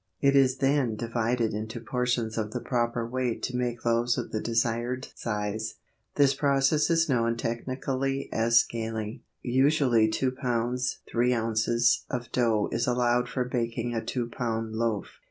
It is then divided into portions of the proper weight to make loaves of the desired size. This process is known technically as scaling. Usually 2 lbs. 3 ozs. of dough is allowed for baking a 2 lb. loaf.